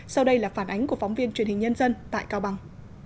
sau đây là phản ánh của phóng viên truyền hình nhân dân tại cao bằng